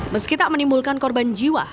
meskipun menimbulkan korban jiwa